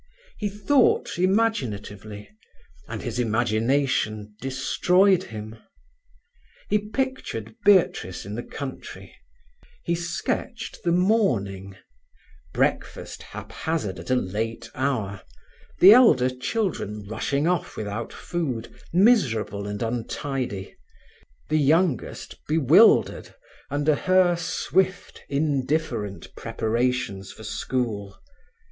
He thought imaginatively, and his imagination destroyed him. He pictured Beatrice in the country. He sketched the morning—breakfast haphazard at a late hour; the elder children rushing off without food, miserable and untidy, the youngest bewildered under her swift, indifferent preparations for school.